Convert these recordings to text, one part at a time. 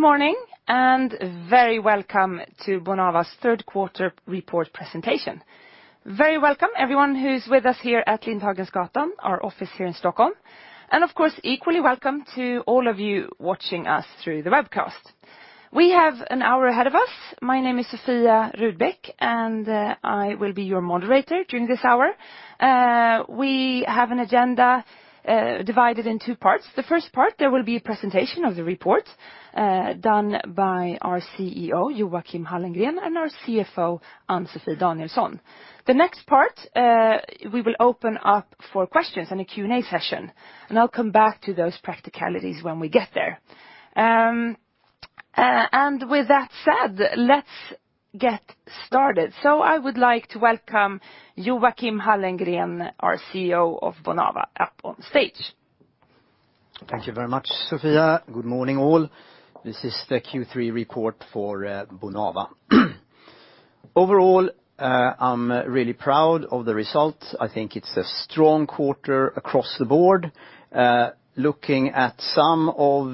Good morning, very welcome to Bonava's third quarter report presentation. Very welcome everyone who is with us here at Lindhagensgatan, our office here in Stockholm, and of course, equally welcome to all of you watching us through the webcast. We have an hour ahead of us. My name is Sophia Rudbeck, and I will be your Moderator during this hour. We have an agenda divided in two parts. The first part, there will be a presentation of the report done by our CEO, Joachim Hallengren, and our CFO, Ann-Sofi Danielsson. The next part, we will open up for questions in a Q&A session, and I will come back to those practicalities when we get there. With that said, let us get started. I would like to welcome Joachim Hallengren, our CEO of Bonava, up on stage. Thank you very much, Sophia. Good morning, all. This is the Q3 report for Bonava. Overall, I am really proud of the results. I think it is a strong quarter across the board. Looking at some of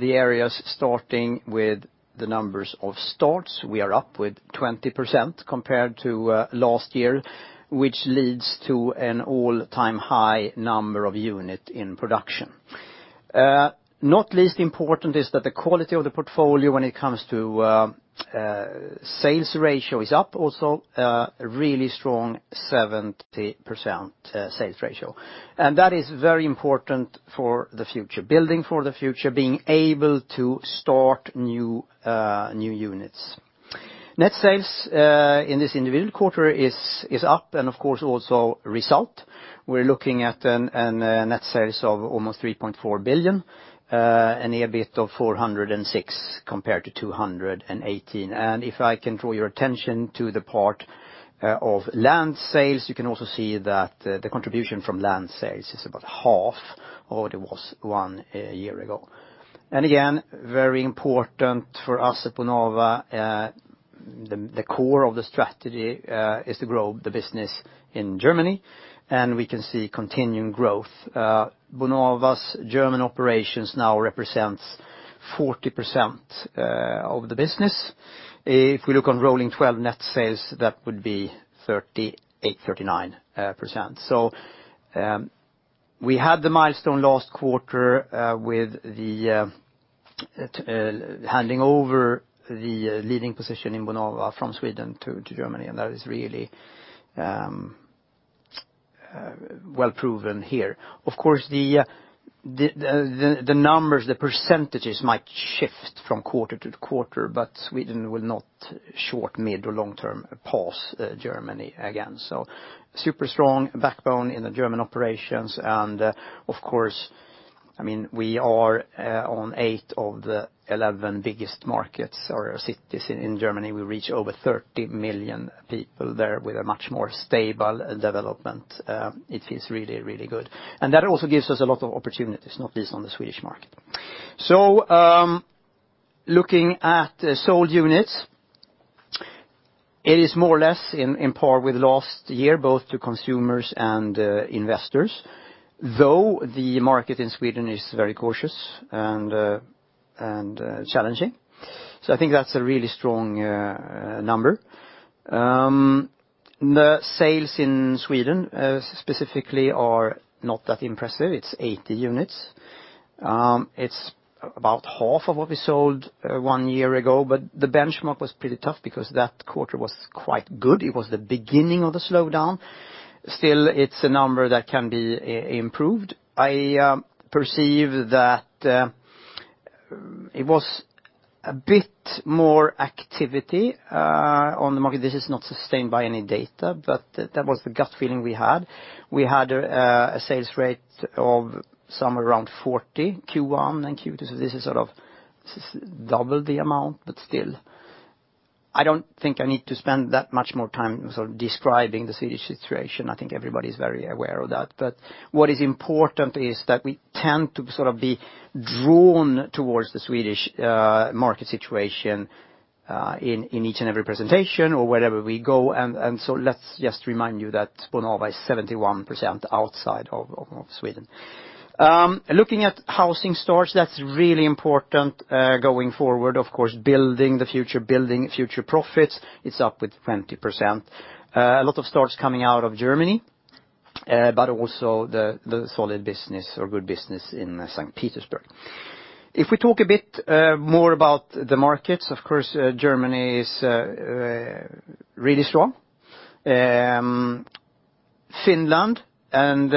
the areas, starting with the numbers of starts. We are up with 20% compared to last year, which leads to an all-time high number of unit in production. Not least important is that the quality of the portfolio when it comes to sales ratio is up also, a really strong 70% sales ratio. That is very important for the future. Building for the future, being able to start new units. Net sales in this individual quarter is up, and of course, also result. We are looking at a net sales of almost 3.4 billion, and EBIT of 406 compared to 218. If I can draw your attention to the part of land sales, you can also see that the contribution from land sales is about half of what it was one year ago. Again, very important for us at Bonava, the core of the strategy is to grow the business in Germany, and we can see continuing growth. Bonava's German operations now represents 40% of the business. If we look on rolling 12 net sales, that would be 38%, 39%. We had the milestone last quarter with the handing over the leading position in Bonava from Sweden to Germany, and that is really well proven here. Of course, the numbers, the percentages might shift from quarter to quarter, but Sweden will not short, mid, or long-term pass Germany again. Super strong backbone in the German operations. Of course, we are on eight of the 11 biggest markets or cities in Germany. We reach over 30 million people there with a much more stable development. It feels really, really good. That also gives us a lot of opportunities, not based on the Swedish market. Looking at sold units, it is more or less in par with last year, both to consumers and investors. Though, the market in Sweden is very cautious and challenging. I think that is a really strong number. The sales in Sweden specifically are not that impressive. It is 80 units. It is about half of what we sold one year ago, but the benchmark was pretty tough because that quarter was quite good. It was the beginning of the slowdown. Still, it is a number that can be improved. I perceive that it was a bit more activity on the market. This is not sustained by any data, but that was the gut feeling we had. We had a sales rate of somewhere around 40% Q1 and Q2. This is sort of double the amount, but still. I don't think I need to spend that much more time sort of describing the Swedish situation. I think everybody's very aware of that. What is important is that we tend to sort of be drawn towards the Swedish market situation in each and every presentation or wherever we go. Let's just remind you that Bonava is 71% outside of Sweden. Looking at housing starts, that's really important going forward. Of course, building the future, building future profits. It's up with 20%. A lot of starts coming out of Germany, but also the solid business or good business in St. Petersburg. If we talk a bit more about the markets, of course, Germany is really strong. Finland and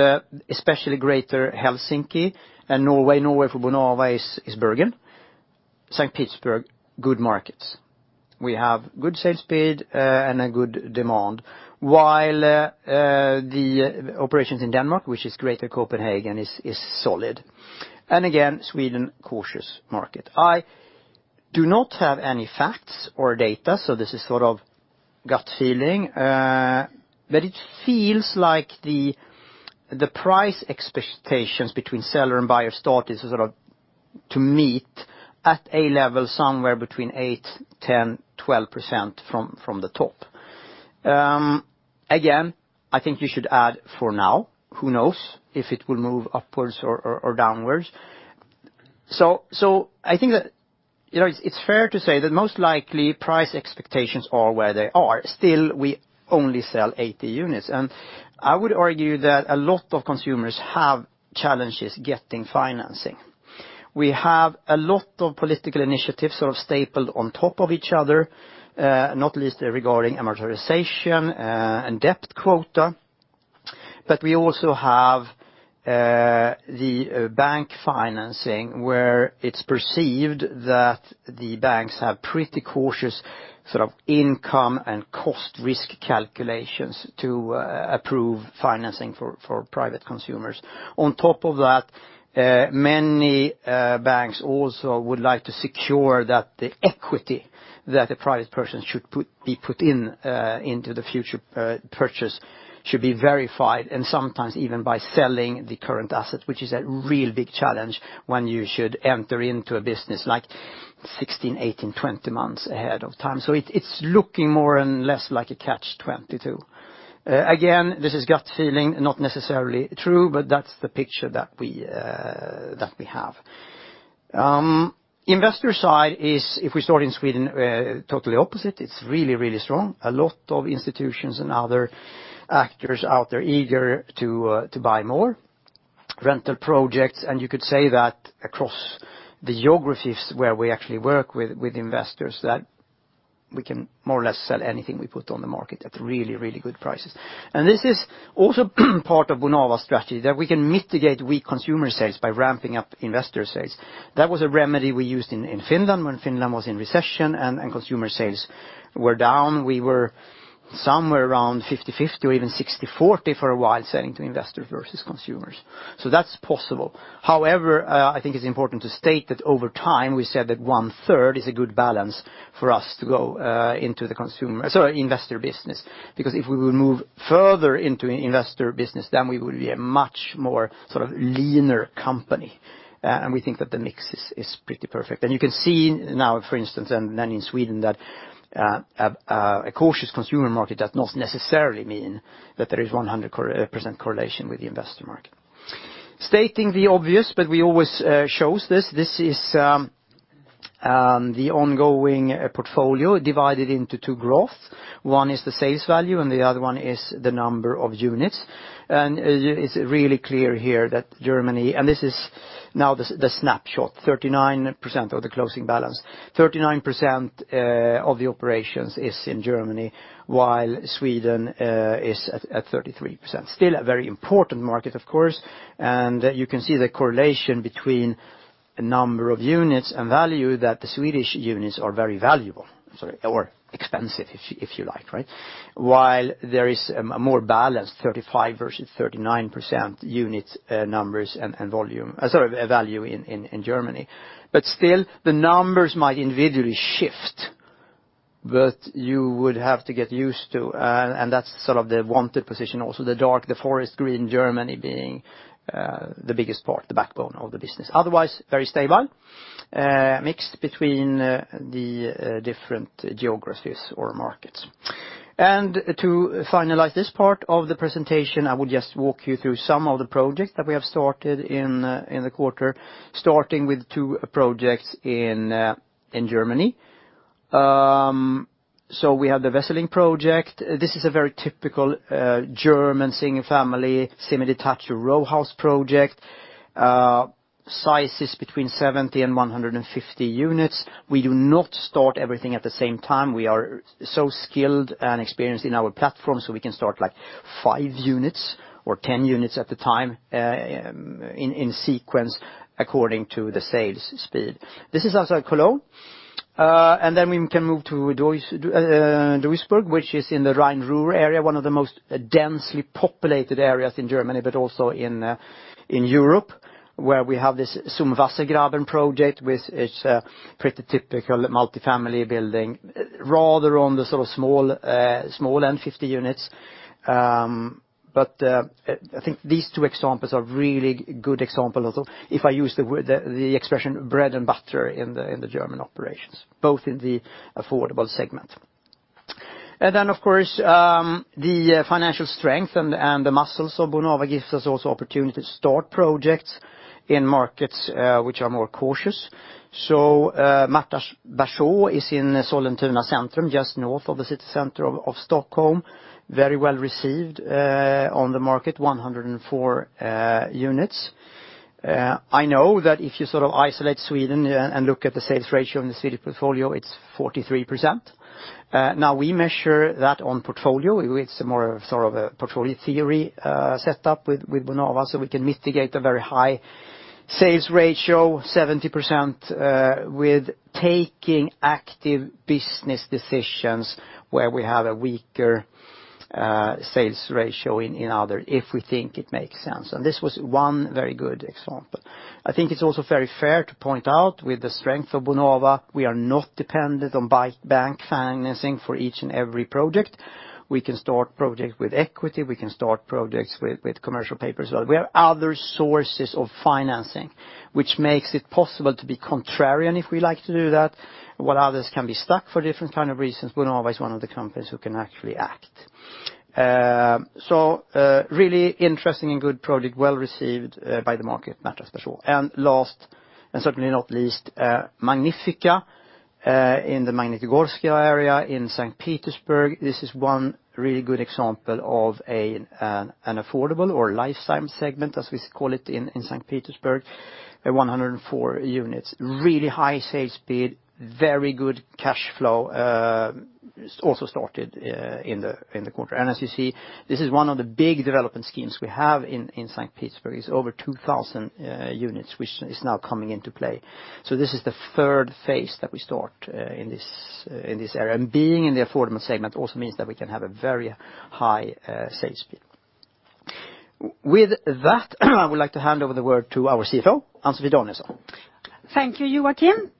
especially Greater Helsinki and Norway. Norway for Bonava is Bergen. St. Petersburg, good markets. We have good sales speed and a good demand. While the operations in Denmark, which is Greater Copenhagen, is solid. Again, Sweden, cautious market. I do not have any facts or data. This is sort of gut feeling. It feels like the price expectations between seller and buyer start is sort of to meet at a level somewhere between 8%, 10%, 12% from the top. Again, I think you should add for now. Who knows if it will move upwards or downwards. I think that it's fair to say that most likely price expectations are where they are. Still, we only sell 80 units. I would argue that a lot of consumers have challenges getting financing. We have a lot of political initiatives sort of stapled on top of each other, not least regarding amortization, and debt quota. We also have the bank financing, where it's perceived that the banks have pretty cautious sort of income and cost risk calculations to approve financing for private consumers. On top of that, many banks also would like to secure that the equity that the private person should be put in into the future purchase should be verified, and sometimes even by selling the current asset, which is a real big challenge when you should enter into a business like 16, 18, 20 months ahead of time. It's looking more and less like a catch-22. Again, this is gut feeling, not necessarily true, but that's the picture that we have. Investor side is, if we start in Sweden, totally opposite. It's really strong. A lot of institutions and other actors out there eager to buy more rental projects. You could say that across geographies where we actually work with investors, that we can more or less sell anything we put on the market at really good prices. This is also part of Bonava's strategy, that we can mitigate weak consumer sales by ramping up investor sales. That was a remedy we used in Finland when Finland was in recession and consumer sales were down. We were somewhere around 50/50 or even 60/40 for a while selling to investors versus consumers. That's possible. However, I think it's important to state that over time, we said that one-third is a good balance for us to go into the investor business. If we will move further into investor business, then we will be a much more sort of leaner company. We think that the mix is pretty perfect. You can see now, for instance, in Sweden, that a cautious consumer market does not necessarily mean that there is 100% correlation with the investor market. Stating the obvious, we always show this. This is the ongoing portfolio divided into two growths. One is the sales value, and the other one is the number of units. It is really clear here that Germany—this is now the snapshot, 39% of the closing balance. 39% of the operations is in Germany, while Sweden is at 33%. Still a very important market, of course. You can see the correlation between number of units and value that the Swedish units are very valuable, or expensive if you like. While there is a more balanced 35% versus 39% unit numbers and value in Germany. Still, the numbers might individually shift. You would have to get used to, and that is sort of the wanted position also, the dark, the forest green Germany being the biggest part, the backbone of the business. Otherwise, very stable. Mixed between the different geographies or markets. To finalize this part of the presentation, I will just walk you through some of the projects that we have started in the quarter, starting with two projects in Germany. We have the Wesseling project. This is a very typical German single-family, semi-detached row house project. Size is between 70 and 150 units. We do not start everything at the same time. We are so skilled and experienced in our platform, we can start five units or 10 units at a time in sequence according to the sales speed. This is outside Cologne. We can move to Duisburg, which is in the Rhine-Ruhr area, one of the most densely populated areas in Germany, but also in Europe, where we have this Zum Wassergraben project, which is a pretty typical multifamily building. Rather on the sort of small end, 50 units. I think these two examples are really good example also. If I use the expression bread and butter in the German operations, both in the affordable segment. Of course, the financial strength and the muscles of Bonava gives us also opportunity to start projects in markets which are more cautious. Mästarens Bergsjö is in Sollentuna Centrum, just north of the city center of Stockholm. Very well received on the market, 104 units. I know that if you sort of isolate Sweden and look at the sales ratio in the city portfolio, it is 43%. Now we measure that on portfolio. It is more of a sort of a portfolio theory set up with Bonava, we can mitigate a very high sales ratio, 70%, with taking active business decisions where we have a weaker sales ratio in other, if we think it makes sense. This was one very good example. I think it is also very fair to point out with the strength of Bonava, we are not dependent on bank financing for each and every project. We can start projects with equity. We can start projects with commercial paper as well. We have other sources of financing, which makes it possible to be contrarian if we like to do that. While others can be stuck for different kind of reasons, Bonava is one of the companies who can actually act. So really interesting and good project, well received by the market, Mästarens Bergsjö. Last, and certainly not least, Magnifika in the Magnitogorskaya area in St. Petersburg. This is one really good example of an affordable or lifestyle segment, as we call it in St. Petersburg. 104 units. Really high sales speed, very good cash flow, also started in the quarter. As you see, this is one of the big development schemes we have in St. Petersburg, is over 2,000 units, which is now coming into play. So this is the third phase that we start in this area. Being in the affordable segment also means that we can have a very high sales speed. With that, I would like to hand over the word to our CFO, Ann-Sofi Danielsson. Thank you, Joachim.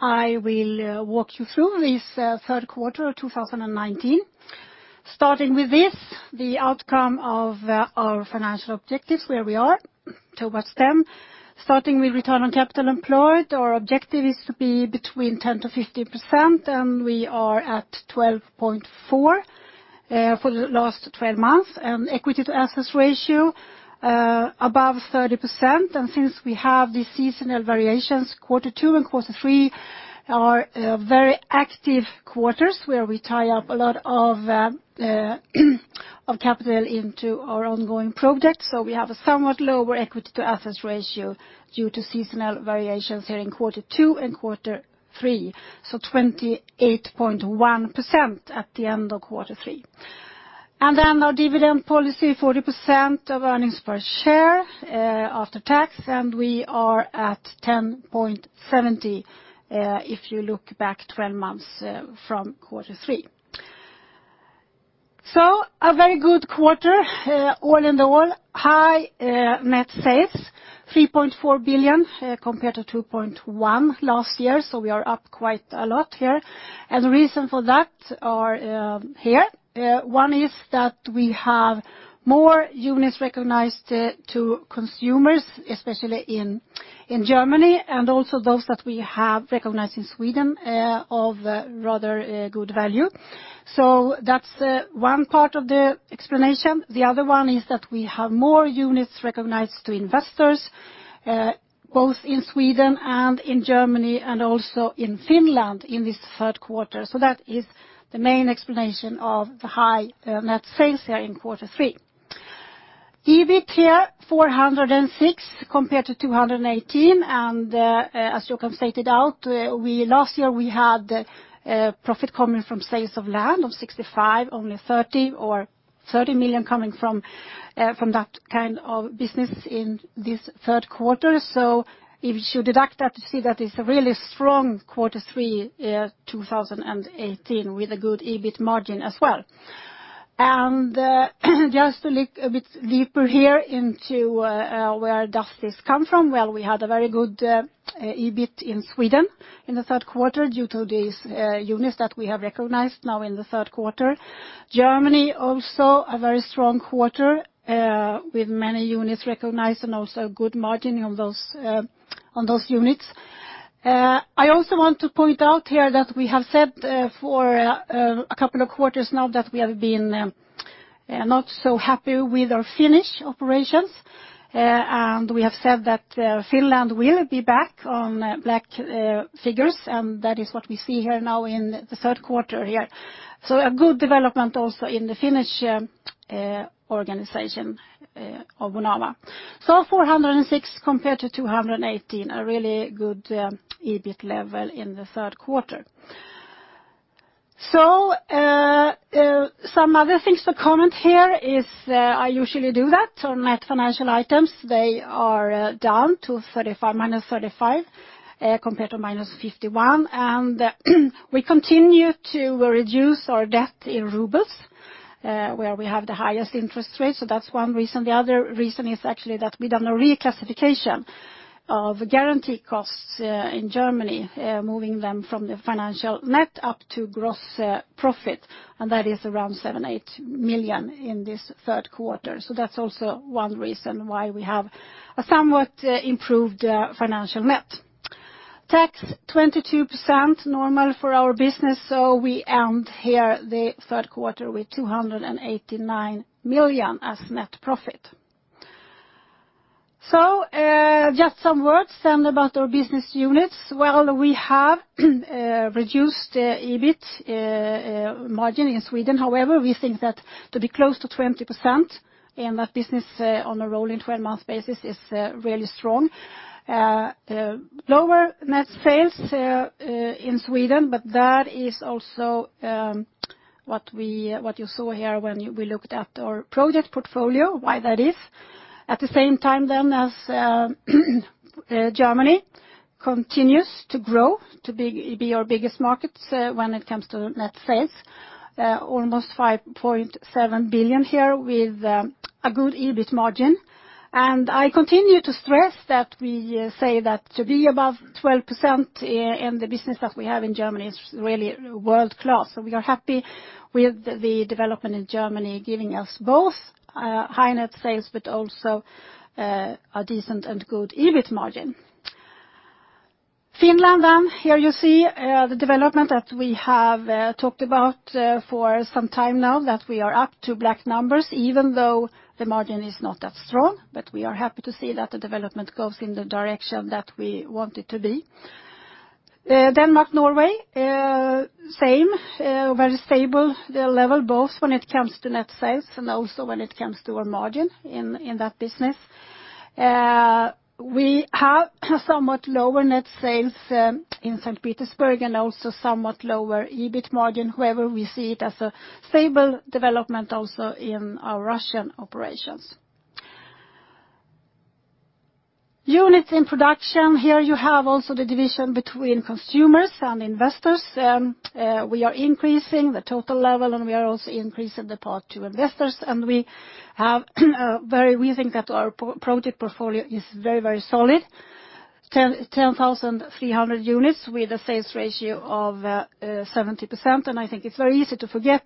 I will walk you through this third quarter of 2019, starting with this, the outcome of our financial objectives, where we are towards them. Starting with return on capital employed, our objective is to be between 10%-15%, and we are at 12.4% for the last 12 months. Equity to assets ratio, above 30%. Since we have the seasonal variations, quarter two and quarter three are very active quarters where we tie up a lot of capital into our ongoing projects. So we have a somewhat lower equity to assets ratio due to seasonal variations here in quarter two and quarter three. So 28.1% at the end of quarter three. Then our dividend policy, 40% of earnings per share after tax, and we are at 10.70% if you look back 12 months from quarter three. A very good quarter all in all. High net sales, 3.4 billion compared to 2.1 billion last year, so we are up quite a lot here. The reason for that are here. One is that we have more units recognized to consumers, especially in Germany, and also those that we have recognized in Sweden of rather good value. So that's one part of the explanation. The other one is that we have more units recognized to investors, both in Sweden and in Germany and also in Finland in this third quarter. So that is the main explanation of the high net sales here in quarter three. EBIT here, 406 million compared to 218 million. As you can state it out, last year we had profit coming from sales of land of 65 million, only 30 million coming from that kind of business in this third quarter. If you deduct that, you see that it's a really strong Q3 2018, with a good EBIT margin as well. Just to look a bit deeper here into where does this come from? Well, we had a very good EBIT in Sweden in Q3 due to these units that we have recognized now in Q3. Germany also a very strong Q3 with many units recognized and also good margin on those units. I also want to point out here that we have said for a couple of quarters now that we have been not so happy with our Finnish operations, and we have said that Finland will be back on black figures, and that is what we see here now in Q3 here. A good development also in the Finnish organization of Bonava. 406 compared to 218, a really good EBIT level in Q3. Some other things to comment here, I usually do that on net financial items. They are down to -35 compared to -51. We continue to reduce our debt in RUB, where we have the highest interest rates. That's one reason. The other reason is actually that we've done a reclassification of guarantee costs in Germany, moving them from the financial net up to gross profit, and that is around 7 million-8 million in this Q3. That's also one reason why we have a somewhat improved financial net. Tax, 22%, normal for our business, so we end here Q3 with 289 million as net profit. Just some words then about our business units. Well, we have reduced EBIT margin in Sweden. However, we think that to be close to 20% in that business on a rolling 12-month basis is really strong. Lower net sales in Sweden, that is also what you saw here when we looked at our project portfolio, why that is. At the same time as Germany continues to grow to be our biggest market when it comes to net sales. Almost 5.7 billion here with a good EBIT margin. I continue to stress that we say that to be above 12% in the business that we have in Germany is really world-class. We are happy with the development in Germany, giving us both high net sales but also a decent and good EBIT margin. Finland, here you see the development that we have talked about for some time now, that we are up to black numbers, even though the margin is not that strong. We are happy to see that the development goes in the direction that we want it to be. Denmark, Norway, same, very stable. They're level both when it comes to net sales and also when it comes to our margin in that business. We have somewhat lower net sales in St. Petersburg and also somewhat lower EBIT margin. However, we see it as a stable development also in our Russian operations. Units in production. Here you have also the division between consumers and investors. We are increasing the total level, and we are also increasing the part to investors. We think that our project portfolio is very, very solid. 10,300 units with a sales ratio of 70%. I think it's very easy to forget.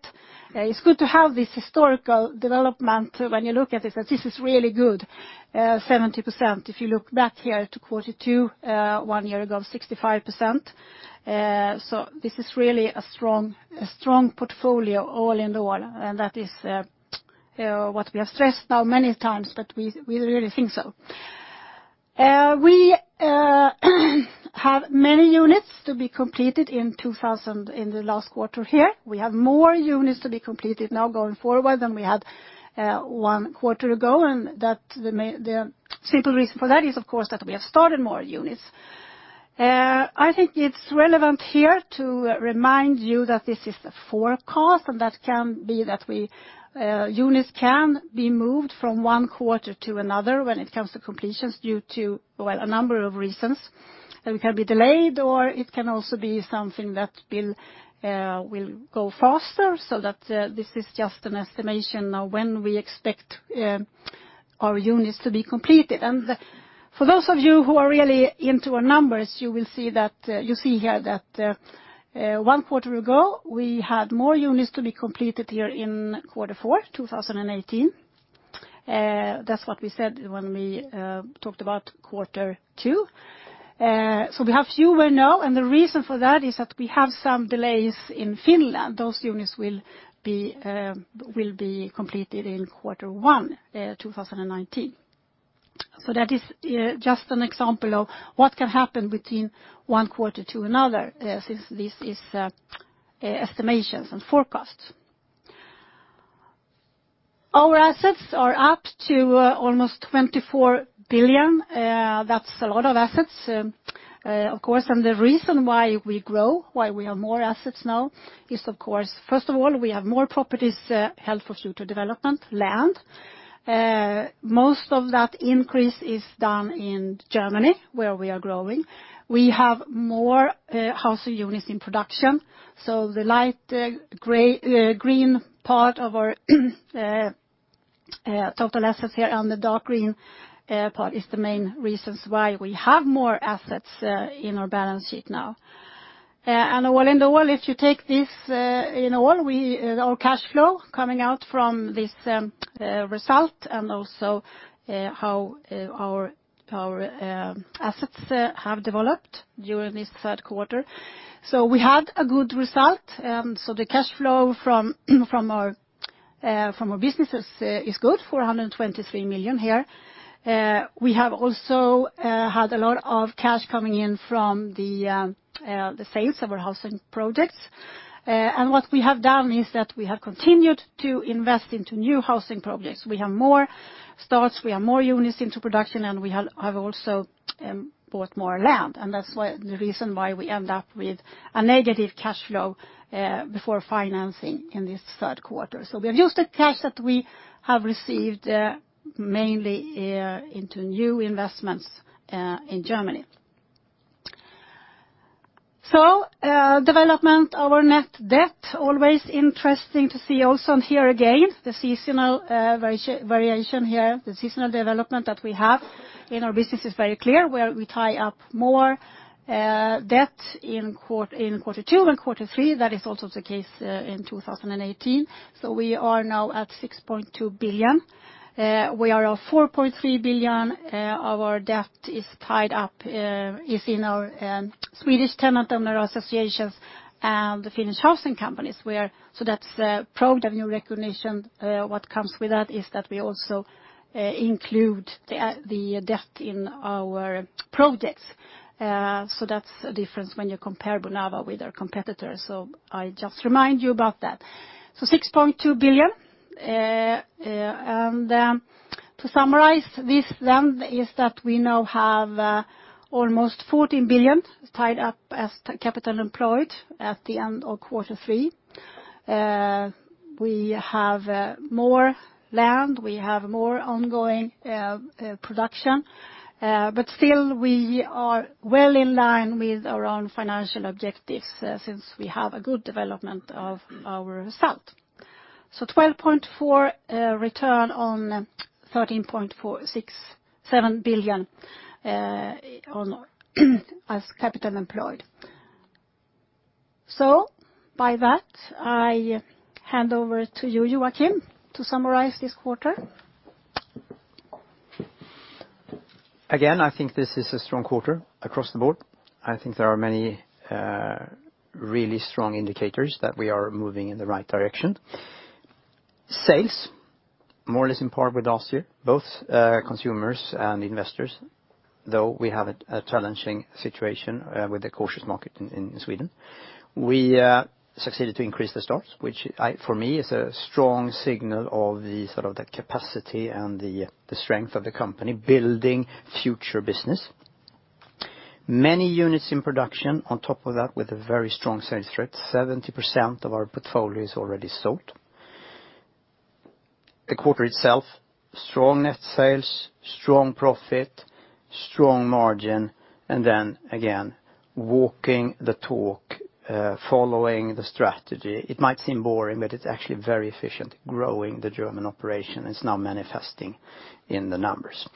It's good to have this historical development when you look at it, that this is really good, 70%. If you look back here to quarter two, one year ago, 65%. This is really a strong portfolio all in all, and that is what we have stressed now many times, but we really think so. We have many units to be completed in the last quarter here. We have more units to be completed now going forward than we had one quarter ago. The simple reason for that is, of course, that we have started more units. I think it's relevant here to remind you that this is a forecast and units can be moved from one quarter to another when it comes to completions due to a number of reasons. It can be delayed, or it can also be something that will go faster. This is just an estimation of when we expect our units to be completed. For those of you who are really into our numbers, you see here that one quarter ago, we had more units to be completed here in quarter four 2018. That's what we said when we talked about quarter two. We have fewer now, and the reason for that is that we have some delays in Finland. Those units will be completed in quarter one 2019. That is just an example of what can happen between one quarter to another, since this is estimations and forecasts. Our assets are up to almost 24 billion. That's a lot of assets, of course. The reason why we grow, why we have more assets now is, of course, first of all, we have more properties held for future development, land. Most of that increase is done in Germany, where we are growing. We have more housing units in production. The light green part of our total assets here and the dark green part is the main reasons why we have more assets in our balance sheet now. All in the world, if you take this in all, our cash flow coming out from this result and also how our assets have developed during this third quarter. We had a good result. The cash flow from our businesses is good, 423 million here. We have also had a lot of cash coming in from the sales of our housing projects. What we have done is that we have continued to invest into new housing projects. We have more starts, we have more units into production, and we have also bought more land. That's the reason why we end up with a negative cash flow before financing in this third quarter. We have used the cash that we have received mainly into new investments in Germany. Development of our net debt, always interesting to see also here again, the seasonal variation here. The seasonal development that we have in our business is very clear, where we tie up more debt in quarter two and quarter three. That is also the case in 2018. We are now at 6.2 billion. We are at 4.3 billion. Our debt is tied up in our Swedish tenant-owner associations and the Finnish housing companies where. That's the POC revenue recognition. What comes with that is that we also include the debt in our projects. That's a difference when you compare Bonava with our competitors. I just remind you about that. 6.2 billion. To summarize this then is that we now have almost 14 billion tied up as capital employed at the end of quarter three. We have more land, we have more ongoing production. Still we are well in line with our own financial objectives since we have a good development of our result. 12.4 return on 13.7 billion as capital employed. By that, I hand over to you, Joachim, to summarize this quarter. I think this is a strong quarter across the board. I think there are many really strong indicators that we are moving in the right direction. Sales, more or less in part with last year, both consumers and investors, though we have a challenging situation with the cautious market in Sweden. We succeeded to increase the starts, which for me is a strong signal of the capacity and the strength of the company building future business. Many units in production on top of that with a very strong sales rate, 70% of our portfolio is already sold. The quarter itself, strong net sales, strong profit, strong margin, and then again, walking the talk, following the strategy. It might seem boring, but it's actually very efficient growing the German operation. It's now manifesting in the numbers.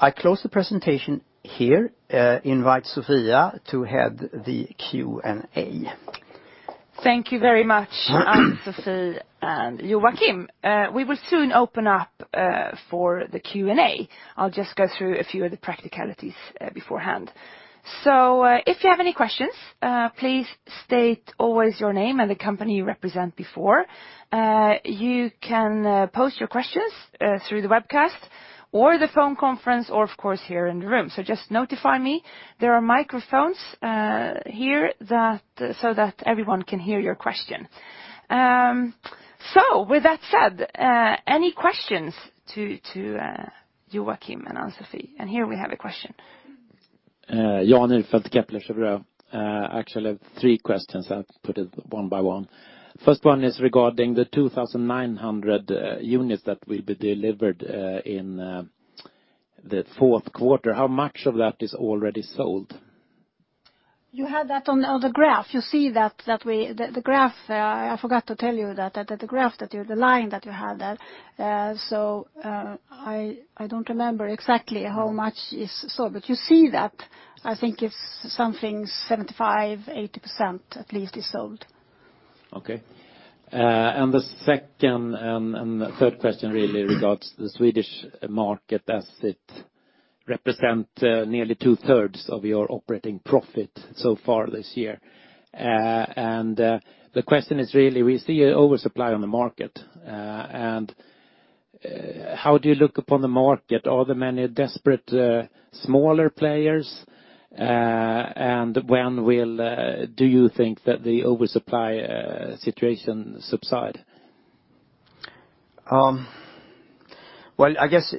I close the presentation here, invite Sophia to head the Q&A. Thank you very much, Ann-Sofi and Joachim. We will soon open up for the Q&A. I'll just go through a few of the practicalities beforehand. If you have any questions, please state always your name and the company you represent before. You can post your questions through the webcast or the phone conference or, of course, here in the room. Just notify me. There are microphones here so that everyone can hear your question. With that said, any questions to Joachim and Ann-Sofi? Here we have a question. Jan Åfeldt, Kepler Cheuvreux. I have three questions. I'll put it one by one. First one is regarding the 2,900 units that will be delivered in the fourth quarter. How much of that is already sold? You have that on the graph. You see the graph. I forgot to tell you that the graph, the line that you have there. I don't remember exactly how much is sold, but you see that. I think it's something 75%-80% at least is sold. Okay. The second and third question really regards the Swedish market as it represent nearly two-thirds of your operating profit so far this year. The question is really, we see an oversupply on the market. How do you look upon the market? Are there many desperate smaller players? When do you think that the oversupply situation subside? Well, I guess,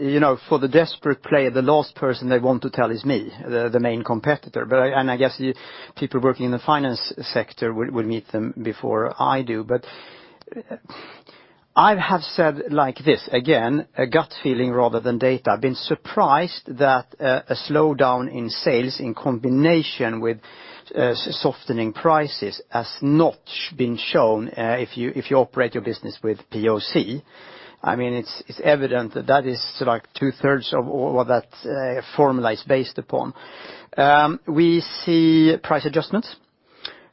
for the desperate player, the last person they want to tell is me, the main competitor. I guess people working in the finance sector will meet them before I do. I have said like this, again, a gut feeling rather than data. I've been surprised that a slowdown in sales in combination with softening prices has not been shown if you operate your business with POC. It's evident that is two-thirds of all what that formula is based upon. We see price adjustments.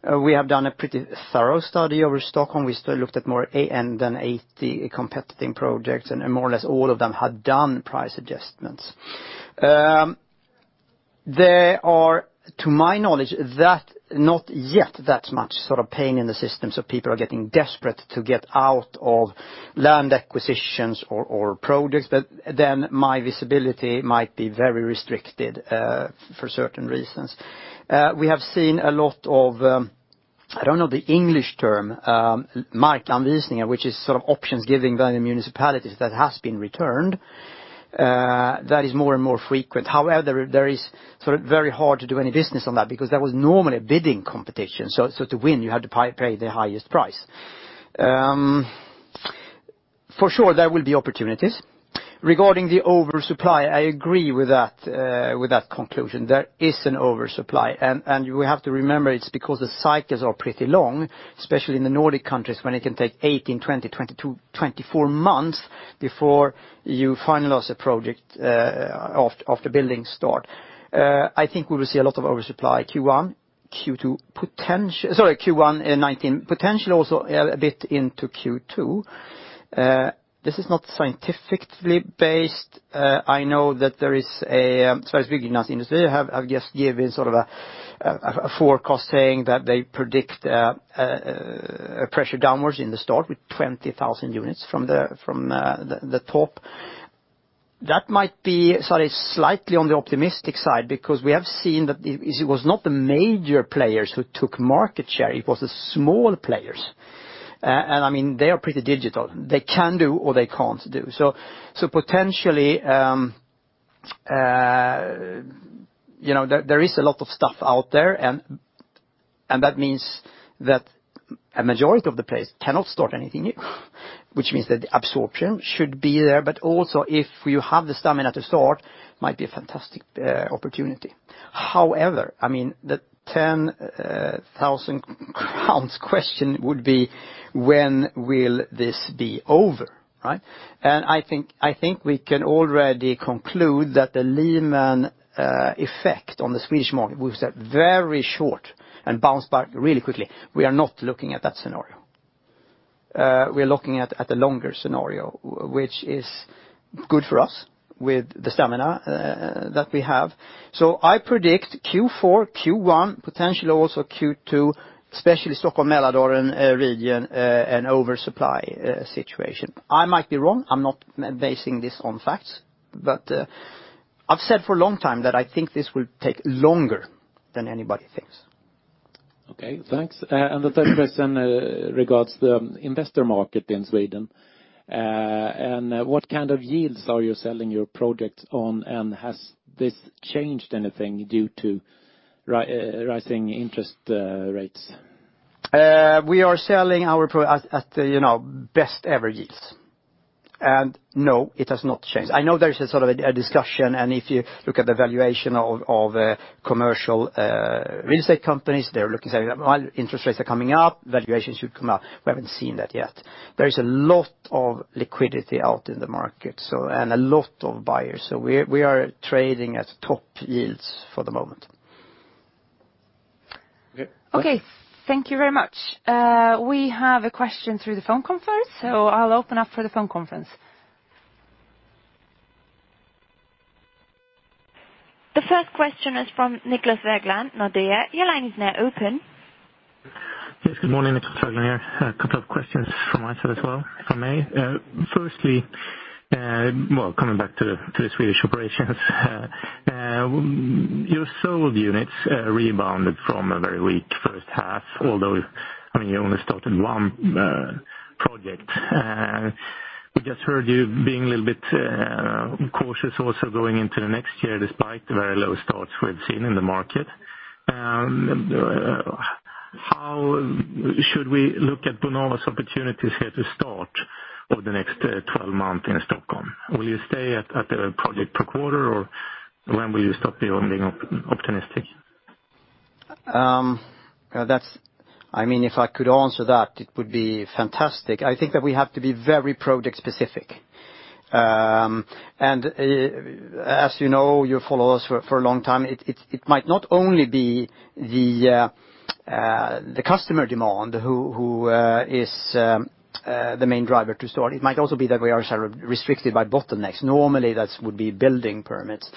We have done a pretty thorough study over Stockholm. We still looked at more than 80 competing projects, and more or less all of them had done price adjustments. There are, to my knowledge, not yet that much pain in the system, so people are getting desperate to get out of land acquisitions or projects. My visibility might be very restricted for certain reasons. We have seen a lot of, I don't know the English term, "markanvisningar," which is sort of options giving the municipalities that has been returned. That is more and more frequent. However, there is very hard to do any business on that because there was normally a bidding competition. To win, you had to pay the highest price. For sure, there will be opportunities. Regarding the oversupply, I agree with that conclusion. There is an oversupply, and you have to remember it's because the cycles are pretty long, especially in the Nordic countries, when it can take 18, 20, 22, 24 months before you finalize a project after building start. I think we will see a lot of oversupply Q1, Q2-- Sorry, Q1 in 2019, potentially also a bit into Q2. This is not scientifically based. I know that there is a Sveriges Byggindustrier have just given a forecast saying that they predict a pressure downwards in the start with 20,000 units from the top. That might be slightly on the optimistic side because we have seen that it was not the major players who took market share, it was the small players. They are pretty digital. They can do or they can't do. Potentially, there is a lot of stuff out there, and that means that a majority of the players cannot start anything new, which means that the absorption should be there. Also if you have the stamina to start, might be a fantastic opportunity. However, the 10,000 crowns question would be, when will this be over? Right? I think we can already conclude that the Lehman effect on the Swedish market was that very short and bounced back really quickly. We are not looking at that scenario. We're looking at a longer scenario, which is good for us with the stamina that we have. I predict Q4, Q1, potentially also Q2, especially Stockholm Mälardalen region, an oversupply situation. I might be wrong. I'm not basing this on facts, but I've said for a long time that I think this will take longer than anybody thinks. Okay, thanks. The third question regards the investor market in Sweden. What kind of yields are you selling your products on? Has this changed anything due to rising interest rates? We are selling our products at best ever yields. No, it has not changed. I know there's a sort of a discussion, and if you look at the valuation of commercial real estate companies, they're looking, saying, "Well, interest rates are coming up, valuations should come up." We haven't seen that yet. There is a lot of liquidity out in the market, and a lot of buyers. We are trading at top yields for the moment. Okay. Okay. Thank you very much. We have a question through the phone conference, so I'll open up for the phone conference. The first question is from Niklas Regnér, Nordea. Your line is now open. Yes. Good morning. Niklas Regnér here. A couple of questions from my side as well, if I may. Firstly, coming back to the Swedish operations. Your sold units rebounded from a very weak first half, although you only started one project. We just heard you being a little bit cautious also going into the next year, despite the very low starts we've seen in the market. How should we look at Bonava's opportunities here to start over the next 12 months in Stockholm? Will you stay at one project per quarter, or when will you stop being optimistic? If I could answer that, it would be fantastic. I think that we have to be very project-specific. As you know, you've followed us for a long time, it might not only be the customer demand who is the main driver to start. It might also be that we are restricted by bottlenecks. Normally, that would be building permits.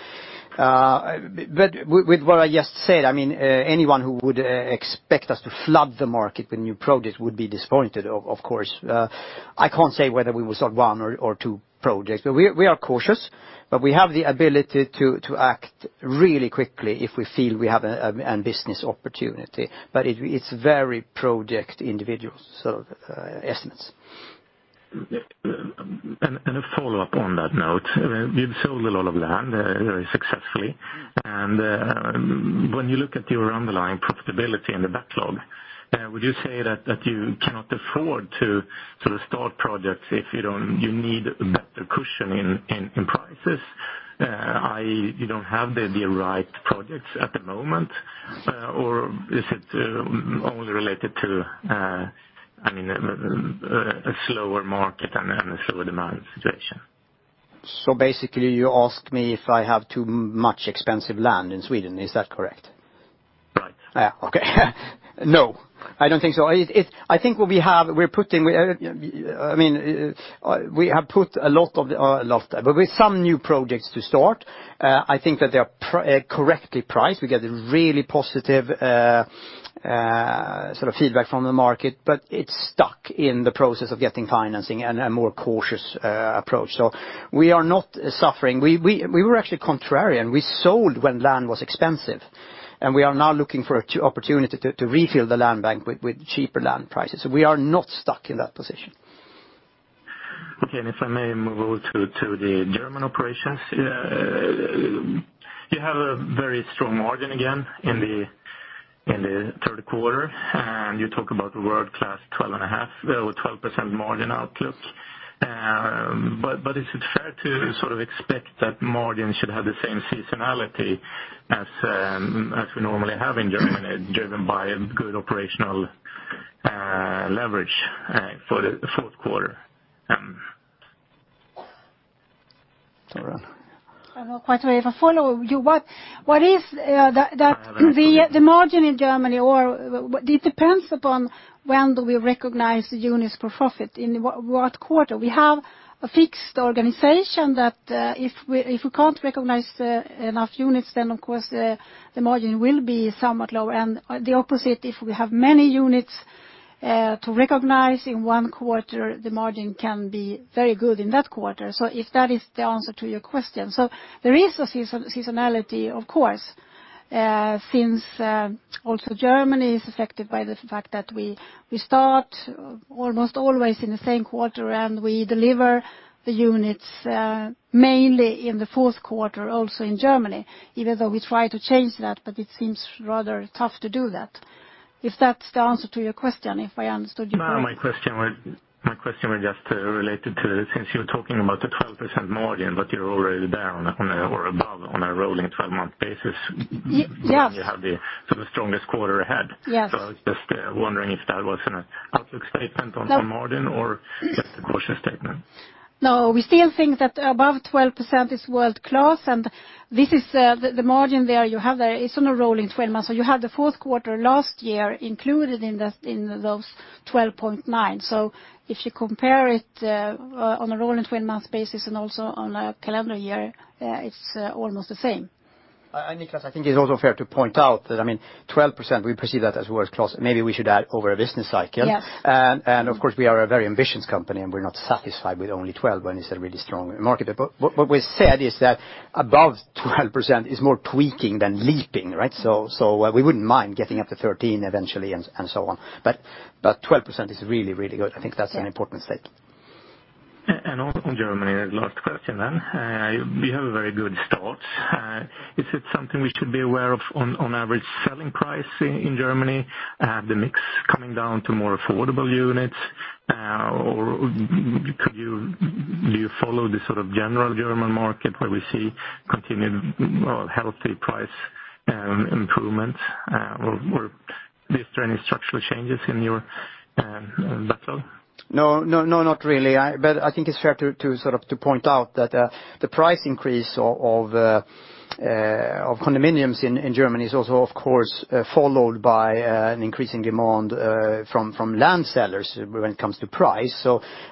With what I just said, anyone who would expect us to flood the market with new projects would be disappointed, of course. I can't say whether we will start one or two projects. We are cautious, but we have the ability to act really quickly if we feel we have a business opportunity. It's very project individual estimates. A follow-up on that note. You've sold a lot of land very successfully. When you look at your underlying profitability in the backlog, would you say that you cannot afford to start projects if you need a better cushion in prices? i.e., you don't have the right projects at the moment? Is it only related to a slower market and a slower demand situation? Basically you ask me if I have too much expensive land in Sweden. Is that correct? Right. Okay. No, I don't think so. We have some new projects to start. I think that they are correctly priced. We get really positive feedback from the market, but it's stuck in the process of getting financing and a more cautious approach. We are not suffering. We were actually contrarian. We sold when land was expensive, and we are now looking for opportunity to refill the land bank with cheaper land prices. We are not stuck in that position. Okay. If I may move over to the German operations. You have a very strong margin again in the third quarter, and you talk about world-class 12.5% or 12% margin outlook. Is it fair to expect that margin should have the same seasonality as we normally have in Germany, driven by good operational leverage for the fourth quarter? Sara. If I follow you, the margin in Germany, it depends upon when do we recognize units for profit, in what quarter. We have a fixed organization that if we can't recognize enough units, then of course the margin will be somewhat low. The opposite, if we have many units to recognize in one quarter, the margin can be very good in that quarter. If that is the answer to your question. There is a seasonality, of course, since also Germany is affected by the fact that we start almost always in the same quarter, and we deliver the units mainly in the fourth quarter also in Germany. Even though we try to change that, but it seems rather tough to do that. If that's the answer to your question, if I understood you correctly. My question was just related to, since you're talking about the 12% margin, but you're already there or above on a rolling 12-month basis. Yes when you have the strongest quarter ahead. Yes. I was just wondering if that was an outlook statement on margin or just a cautious statement. We still think that above 12% is world-class, and the margin there you have there is on a rolling 12 months. You have the fourth quarter last year included in those 12.9%. If you compare it on a rolling 12-month basis and also on a calendar year, it's almost the same. Niklas, I think it's also fair to point out that, 12%, we perceive that as world-class. Maybe we should add over a business cycle. Yes. Of course, we are a very ambitious company, and we're not satisfied with only 12% when it's a really strong market. What we said is that above 12% is more tweaking than leaping, right? We wouldn't mind getting up to 13% eventually and so on. 12% is really good. I think that's an important state. On Germany, last question. You have a very good start. Is it something we should be aware of on average selling price in Germany? The mix coming down to more affordable units? Or do you follow the sort of general German market where we see continued healthy price improvements? Or is there any structural changes in your No, not really. I think it's fair to point out that the price increase of condominiums in Germany is also, of course, followed by an increasing demand from land sellers when it comes to price.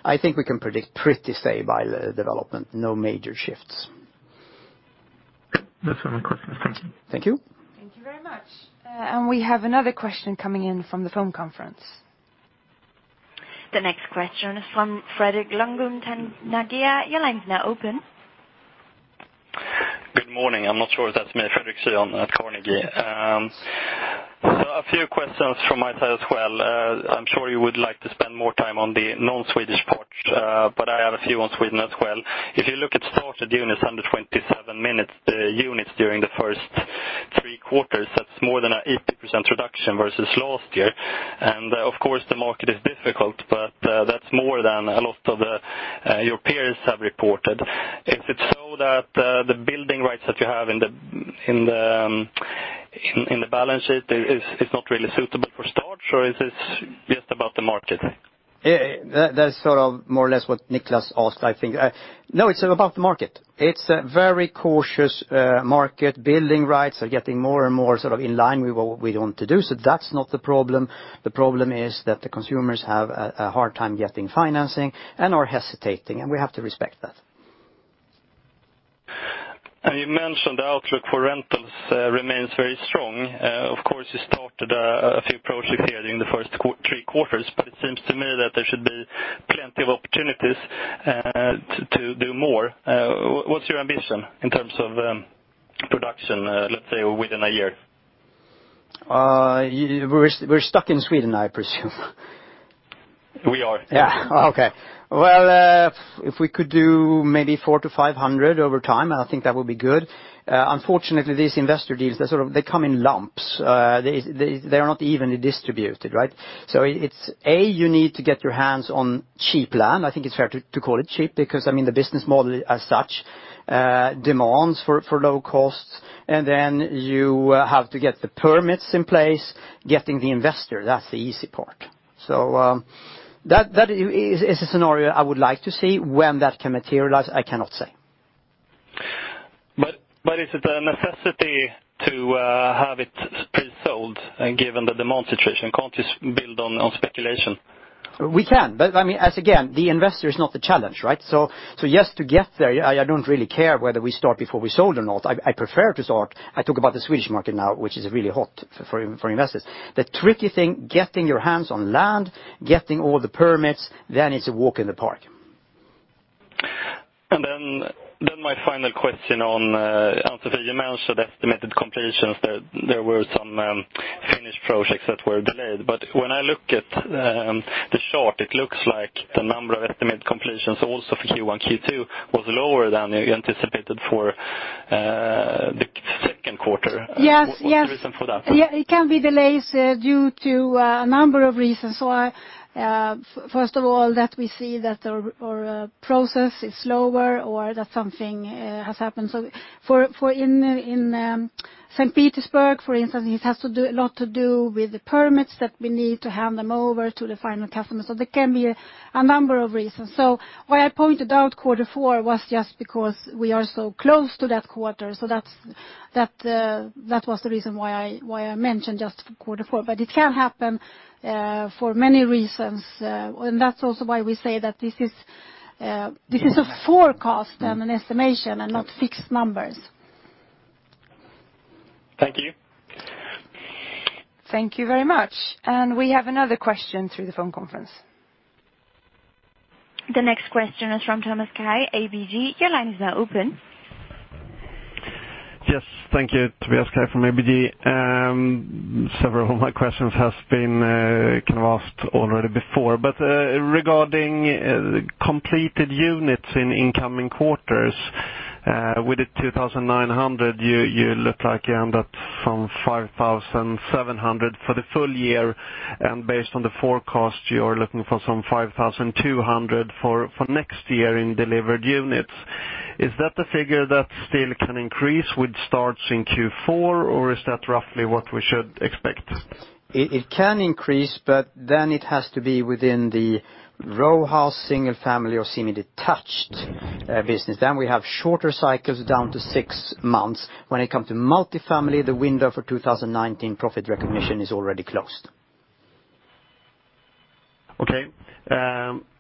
I think we can predict pretty stable development. No major shifts. That's all my questions. Thank you. Thank you. Thank you very much. We have another question coming in from the phone conference. The next question is from Fredrik Stenhagen. Your line's now open. Good morning. I'm not sure if that's me. Fredrik Stenhagen at Carnegie. A few questions from my side as well. I'm sure you would like to spend more time on the non-Swedish part, but I have a few on Sweden as well. If you look at started units under 27 units during the first three quarters, that's more than an 80% reduction versus last year. Of course, the market is difficult, but that's more than a lot of your peers have reported. Is it so that the building rights that you have in the balance sheet is not really suitable for start, or is this just about the market? That's sort of more or less what Niklas asked, I think. No, it's about the market. It's a very cautious market. Building rights are getting more and more sort of in line with what we want to do. That's not the problem. The problem is that the consumers have a hard time getting financing and are hesitating, we have to respect that. You mentioned the outlook for rentals remains very strong. Of course, you started a few projects here during the first three quarters, it seems to me that there should be plenty of opportunities to do more. What's your ambition in terms of production, let's say, within a year? We're stuck in Sweden, I presume. We are. Yeah. Okay. If we could do maybe four to 500 over time, I think that would be good. Unfortunately, these investor deals, they come in lumps. They are not evenly distributed, right? It's A, you need to get your hands on cheap land. I think it's fair to call it cheap because, I mean, the business model as such demands for low costs. You have to get the permits in place. Getting the investor, that's the easy part. That is a scenario I would like to see. When that can materialize, I cannot say. Is it a necessity to have it pre-sold, given the demand situation? Can't you build on speculation? We can. As again, the investor is not the challenge, right? Yes, to get there, I don't really care whether we start before we sold or not. I prefer to start. I talk about the Swedish market now, which is really hot for investors. The tricky thing, getting your hands on land, getting all the permits, it's a walk in the park. My final question on Ann-Sofi. You mentioned estimated completions. There were some finished projects that were delayed. When I look at the chart, it looks like the number of estimated completions also for Q1, Q2, was lower than you anticipated for the second quarter. Yes. What's the reason for that? Yeah, it can be delays due to a number of reasons. First of all, that we see that our process is slower or that something has happened. In St. Petersburg, for instance, it has a lot to do with the permits that we need to hand them over to the final customer. There can be a number of reasons. Why I pointed out quarter four was just because we are so close to that quarter. That was the reason why I mentioned just quarter four. It can happen for many reasons. That's also why we say that this is a forecast and an estimation and not fixed numbers. Thank you. Thank you very much. We have another question through the phone conference. The next question is from Tobias Kaj, ABG. Your line is now open. Yes. Thank you. Tobias Kaj from ABG. Several of my questions has been kind of asked already before. Regarding completed units in incoming quarters, with the 2,900, you look like you end up from 5,700 for the full year. Based on the forecast, you're looking for some 5,200 for next year in delivered units. Is that the figure that still can increase with starts in Q4 or is that roughly what we should expect? It can increase, it has to be within the row house, single family, or semi-detached business. We have shorter cycles down to six months. When it comes to multifamily, the window for 2019 profit recognition is already closed. Okay.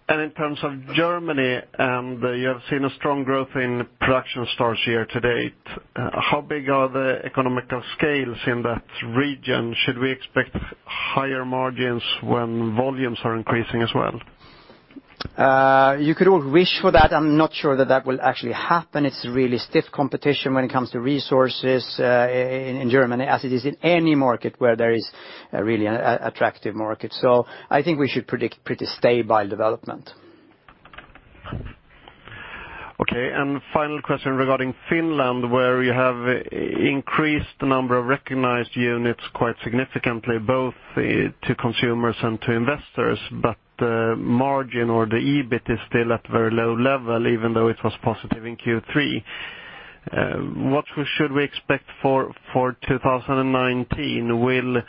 In terms of Germany, you have seen a strong growth in production starts year-to-date. How big are the economies of scale in that region? Should we expect higher margins when volumes are increasing as well? You could all wish for that. I'm not sure that will actually happen. It's really stiff competition when it comes to resources in Germany, as it is in any market where there is really an attractive market. I think we should predict pretty stable development. Okay, final question regarding Finland, where you have increased the number of recognized units quite significantly, both to consumers and to investors. The margin or the EBIT is still at very low level, even though it was positive in Q3. What should we expect for 2019? Will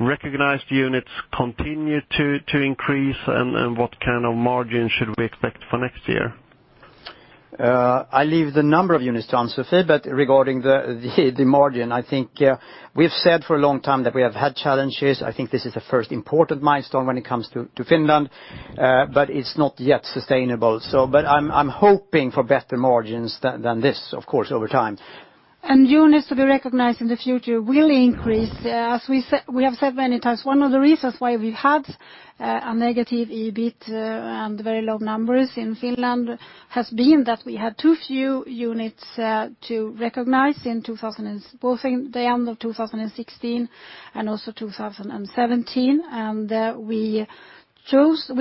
recognized units continue to increase? What kind of margin should we expect for next year? I leave the number of units to Ann-Sofi, but regarding the margin, I think we have said for a long time that we have had challenges. I think this is the first important milestone when it comes to Finland, but it is not yet sustainable. I am hoping for better margins than this, of course, over time. Units to be recognized in the future will increase. As we have said many times, one of the reasons why we have had a negative EBIT and very low numbers in Finland has been that we had too few units to recognize both in the end of 2016 and also 2017. We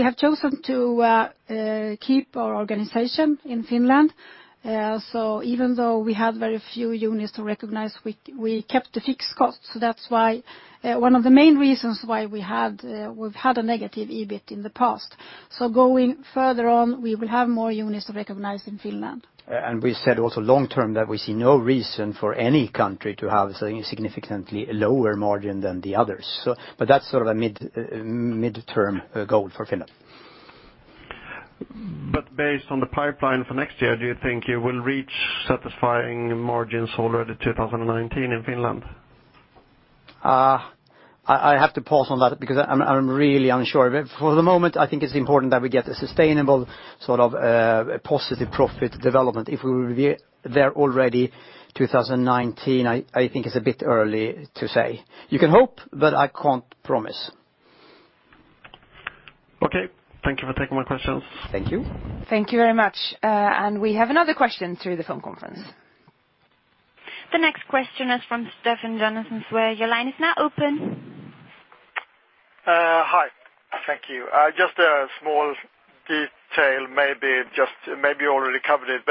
have chosen to keep our organization in Finland. Even though we had very few units to recognize, we kept the fixed costs. That is one of the main reasons why we have had a negative EBIT in the past. Going further on, we will have more units to recognize in Finland. We said also long term that we see no reason for any country to have a significantly lower margin than the others. That is sort of a midterm goal for Finland. Based on the pipeline for next year, do you think you will reach satisfying margins already 2019 in Finland? I have to pause on that because I'm really unsure. For the moment, I think it's important that we get a sustainable sort of positive profit development. If we will be there already 2019, I think it's a bit early to say. You can hope, but I can't promise. Okay. Thank you for taking my questions. Thank you. Thank you very much. We have another question through the phone conference. The next question is from Stefan Jonassen. Sir, your line is now open. Hi. Thank you. Just a small detail, maybe you already covered it,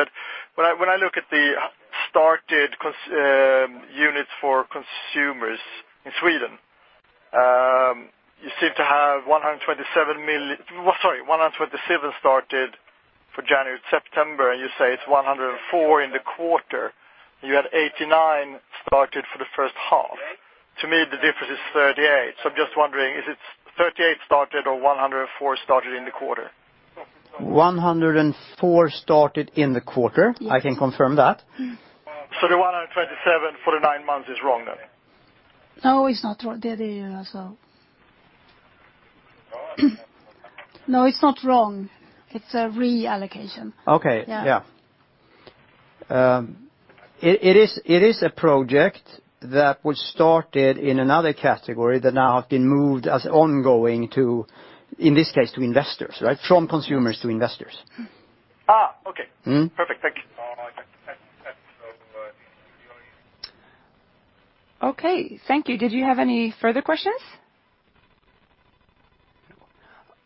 when I look at the started units for consumers in Sweden, you seem to have 127 started for January to September, and you say it's 104 in the quarter, and you had 89 started for the first half. To me, the difference is 38. I'm just wondering, is it 38 started or 104 started in the quarter? 104 started in the quarter. I can confirm that. The 127 for the nine months is wrong then? No, it's not wrong. No, it's not wrong. It's a reallocation. Okay. Yeah. It is a project that was started in another category that now have been moved as ongoing, in this case, to investors. From consumers to investors. Okay. Perfect. Thank you. Okay, thank you. Did you have any further questions?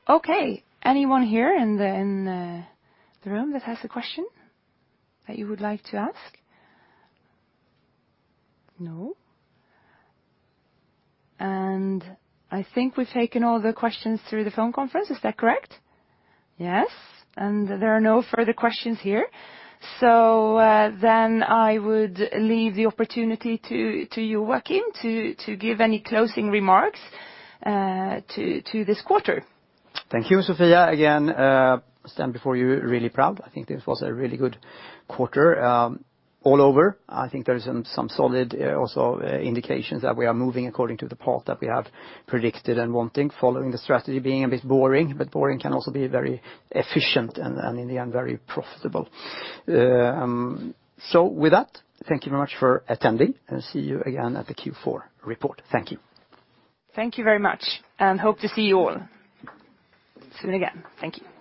Okay. Anyone here in the room that has a question that you would like to ask? No. I think we've taken all the questions through the phone conference. Is that correct? Yes. There are no further questions here. I would leave the opportunity to you, Joachim, to give any closing remarks to this quarter. Thank you, Sophia. I again stand before you really proud. I think this was a really good quarter all over. I think there is some solid also indications that we are moving according to the path that we have predicted and wanting. Following the strategy being a bit boring, but boring can also be very efficient and in the end, very profitable. With that, thank you very much for attending, and see you again at the Q4 report. Thank you. Thank you very much, and hope to see you all soon again. Thank you.